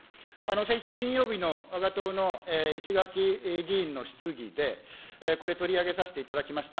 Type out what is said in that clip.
先週金曜日のわが党のいしがき議員の質疑で、これ、取り上げさせていただきました。